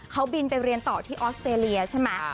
เขาบินไปเรียนต่อที่ออสเตรเลียใช่ไหม